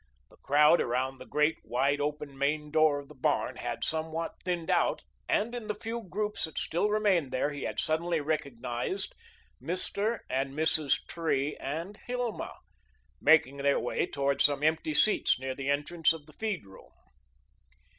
The crowd around the great, wide open main door of the barn had somewhat thinned out and in the few groups that still remained there he had suddenly recognised Mr. and Mrs. Tree and Hilma, making their way towards some empty seats near the entrance of the feed room.